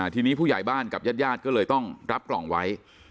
ทีนี้ผู้ใหญ่บ้านกับญาติญาติก็เลยต้องรับกล่องไว้